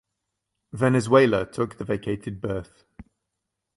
Venezuela took the vacated berth.